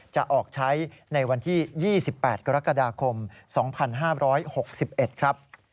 จะออกใช้ในวันที่๒๘กรกฎาคม๒๕๖๑ครับ